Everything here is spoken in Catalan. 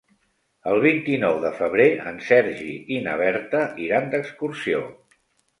El vint-i-nou de febrer en Sergi i na Berta iran d'excursió.